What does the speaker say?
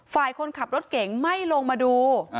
ฝ่ายคนขับรถเก่งไม่ลงมาดู